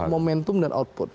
momentum dan output